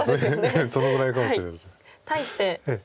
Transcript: そのぐらいかもしれないです。